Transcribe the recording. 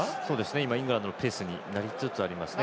今、イングランドのペースになりつつありますね。